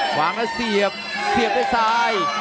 วางแล้วเสียบเสียบด้วยซ้าย